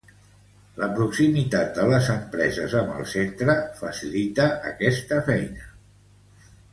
La proximitat de les empreses amb el centre facilita esta faena.